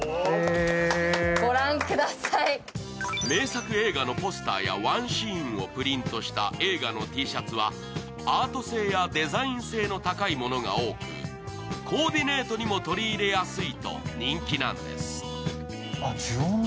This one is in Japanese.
名作映画のポスターやワンシーンをプリントした映画のＴシャツは、アート性やデザイン性の高いものが多く、コーディネートにも取り入れやすいと人気なんです。